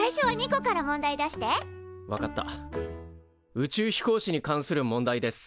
宇宙飛行士に関する問題です。